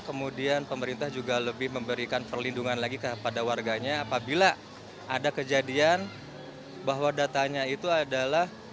kemudian pemerintah juga lebih memberikan perlindungan lagi kepada warganya apabila ada kejadian bahwa datanya itu adalah